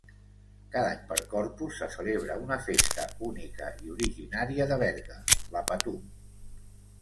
Cada any per Corpus se celebra una festa única i originària de Berga, la Patum.